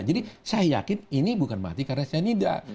jadi saya yakin ini bukan mati karena si anida